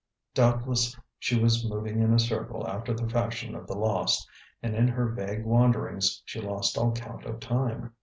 Doubtless she was moving in a circle after the fashion of the lost, and in her vague wanderings she lost all count of time.